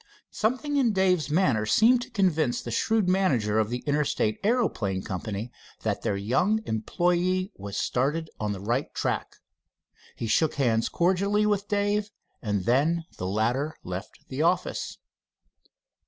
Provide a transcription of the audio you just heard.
Something in Dave's manner seemed to convince the shrewd manager of the Interstate Aeroplane Company that their young employee was started on the right track. He shook hands cordially with Dave when the latter left the office.